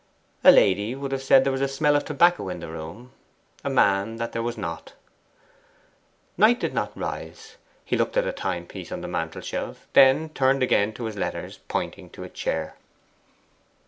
A lady would have said there was a smell of tobacco in the room: a man that there was not. Knight did not rise. He looked at a timepiece on the mantelshelf, then turned again to his letters, pointing to a chair.